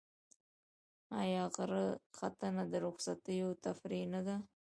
آیا غره ختنه د رخصتیو تفریح نه ده؟